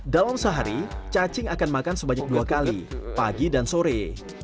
dalam sehari cacing akan makan sebanyak dua kali pagi dan sore